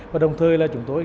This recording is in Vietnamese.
và đồng thời là chúng tôi